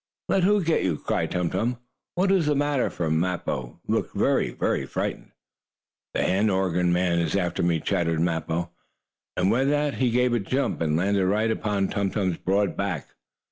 "Let who get you?" cried Tum Tum. "What is the matter?" for Mappo looked very frightened. "The hand organ man is after me!" chattered Mappo, and with that he gave a jump, and landed right upon Tum Tum's broad back.